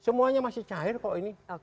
semuanya masih cair kok ini